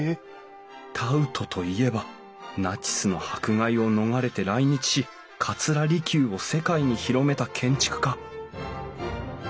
タウトといえばナチスの迫害を逃れて来日し桂離宮を世界に広めた建築家！